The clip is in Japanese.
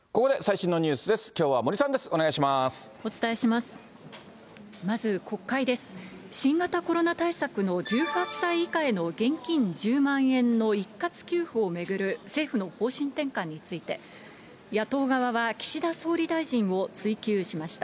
新型コロナ対策の１８歳以下への現金１０万円の一括給付を巡る政府の方針転換について、野党側は岸田総理大臣を追及しました。